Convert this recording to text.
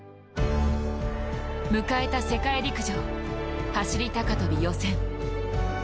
迎えた世界陸上、走高跳予選。